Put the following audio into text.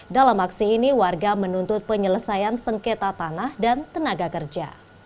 dalam aksi ini warga menuntut penyelesaian sengketa tanah dan tenaga kerja